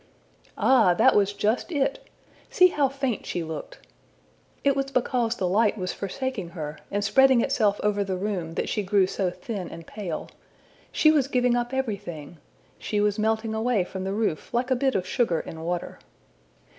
Ah, that was just it! See how faint she looked! It was because the light was forsaking her, and spreading itself over the room, that she grew so thin and pale! She was giving up everything! She was melting away from the roof like a bit of sugar in water.